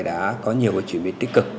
đã có nhiều chuyển biến tích cực